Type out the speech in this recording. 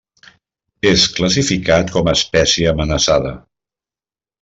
És classificat com a espècie amenaçada.